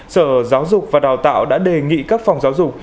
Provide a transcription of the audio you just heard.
sở giáo dục và đào tạo đã đề nghị các phòng giáo dục